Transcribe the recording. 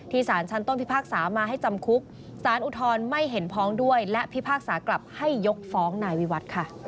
สารชั้นต้นพิพากษามาให้จำคุกสารอุทธรณ์ไม่เห็นพ้องด้วยและพิพากษากลับให้ยกฟ้องนายวิวัฒน์ค่ะ